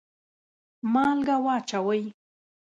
مالګه واچوئ